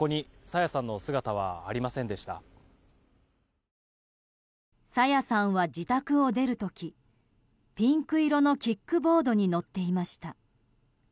朝芽さんは、自宅を出る時ピンク色のキックボードに乗っていました。